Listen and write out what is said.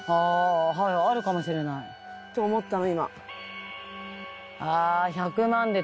はいあるかもしれないと思ったの